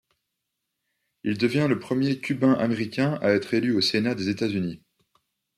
Il devient le premier cubain-américain à être élu au Sénat des États-Unis.